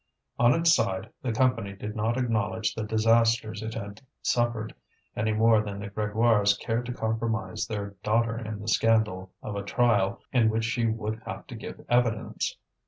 On its side, the Company did not acknowledge the disasters it had suffered, any more than the Grégoires cared to compromise their daughter in the scandal of a trial in which she would have to give evidence.